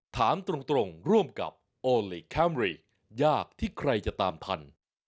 ถามตรงร่วมกับโอลี่คัมรี่ยากที่ใครจะตามทัน